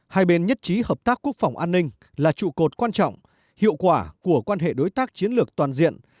hai bên nhất trí hợp tác quốc phòng an ninh là trụ cột quan trọng hiệu quả của quan hệ đối tác chiến lược toàn diện